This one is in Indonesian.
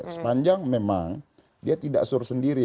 sepanjang memang dia tidak suruh sendiri